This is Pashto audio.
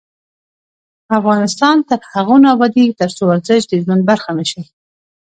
افغانستان تر هغو نه ابادیږي، ترڅو ورزش د ژوند برخه نشي.